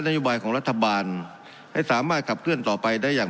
โยบายของรัฐบาลให้สามารถขับเคลื่อนต่อไปได้อย่าง